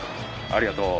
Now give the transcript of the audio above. ありがとう。